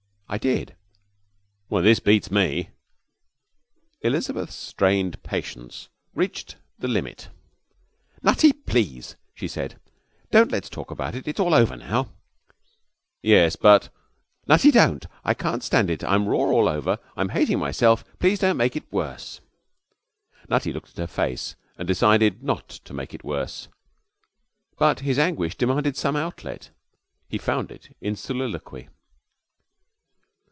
'I did.' 'Well, this beats me!' Elizabeth's strained patience reached the limit. 'Nutty, please!' she said. 'Don't let's talk about it. It's all over now.' 'Yes, but ' 'Nutty, don't! I can't stand it. I'm raw all over. I'm hating myself. Please don't make it worse.' Nutty looked at her face, and decided not to make it worse. But his anguish demanded some outlet. He found it in soliloquy.